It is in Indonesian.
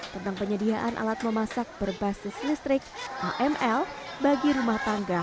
tentang penyediaan alat memasak berbasis listrik aml bagi rumah tangga